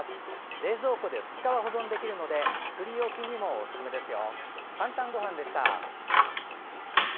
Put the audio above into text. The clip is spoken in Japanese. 冷蔵庫で２日は保存できるので作り置きにもおすすめですよ。